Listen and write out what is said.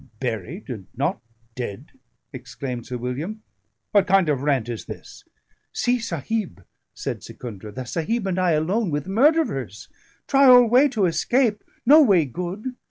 "Buried and not dead?" exclaimed Sir William. "What kind of rant is this?" "See, Sahib," said Secundra. "The Sahib and I alone with murderers; try all way to escape, no way good.